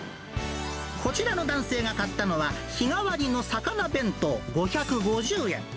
こちらの男性が買ったのは、日替わりの魚弁当５５０円。